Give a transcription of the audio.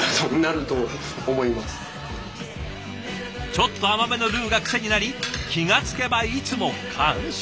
ちょっと甘めのルーが癖になり気が付けばいつも完食。